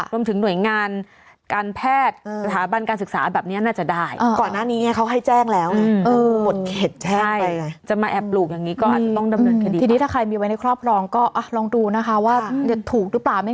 รวมถึงหน่วยงานการแพทย์กรรมการศึกษาแบบนี้น่าจะได้